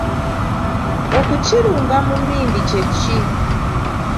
Okukirunga mu mmindi kye ki?